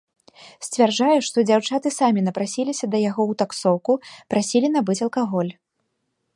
Сцвярджае, што дзяўчаты самі напрасіліся да яго ў таксоўку, прасілі набыць алкаголь.